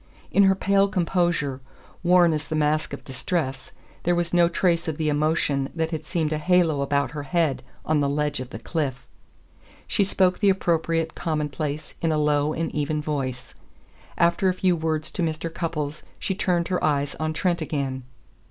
In her pale composure, worn as the mask of distress, there was no trace of the emotion that had seemed a halo about her head on the ledge of the cliff. She spoke the appropriate commonplace in a low and even voice. After a few words to Mr. Cupples she turned her eyes on Trent again.